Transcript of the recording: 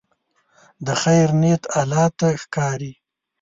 د خیر نیت الله ته ښکاري.